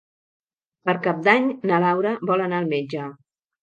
Per Cap d'Any na Laura vol anar al metge.